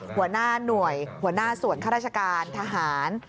หัวหน้าหน่วยหัวหน้าส่วนข้าราชการทหาร